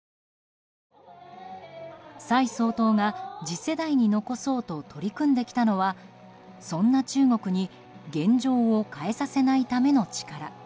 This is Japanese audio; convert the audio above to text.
蔡総統が次世代に残そうと取り組んできたのはそんな中国に現状を変えさせないための力。